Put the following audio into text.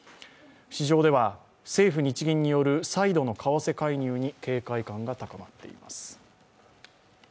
市場では政府・日銀による再度の為替介入に警戒感が高まっています。